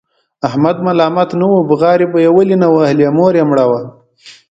احمد ملامت نه و، بغارې به یې ولې نه وهلې؛ مور یې مړه وه.